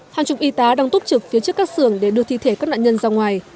hàng chục y tá đang túc trực phía trước các xưởng để đưa thi thể các nạn nhân ra ngoài